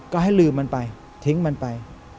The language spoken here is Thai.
ก็ให้ลืมมันไปทิ้งมันไป